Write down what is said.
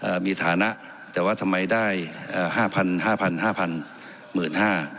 มีฐานะแต่ว่าทำไมได้เอ่อห้าพันห้าพันห้าพันหมื่นห้า